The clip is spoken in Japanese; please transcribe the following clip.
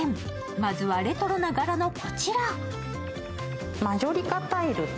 まずはレトロな柄のこちら。